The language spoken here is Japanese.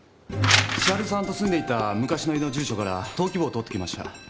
千春さんと住んでいた昔の家の住所から登記簿を取ってきました。